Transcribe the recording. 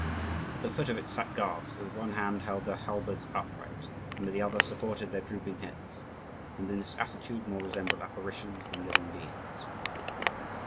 At the foot of it sat guards, who with one hand held their halberds upright, and with the other supported their drooping heads, and in this attitude more resembled apparitions than living beings.